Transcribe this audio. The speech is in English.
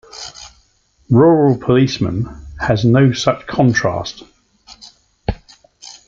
"Rural policeman" has no such contrast.